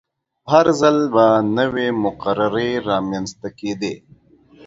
هر ځل به نوې مقررې رامنځته کیدې.